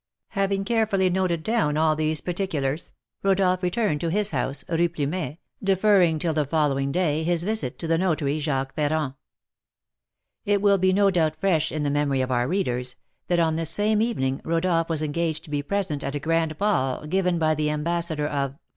Having carefully noted down all these particulars, Rodolph returned to his house, Rue Plumet, deferring till the following day his visit to the notary, Jacques Ferrand. It will be no doubt fresh in the memory of our readers, that on this same evening Rodolph was engaged to be present at a grand ball given by the ambassador of